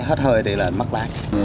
hết hơi thì là mất lái